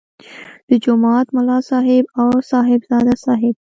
د جومات ملا صاحب او صاحبزاده صاحب.